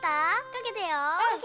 かけたよ。